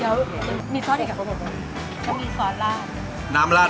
ขอบคุณครับ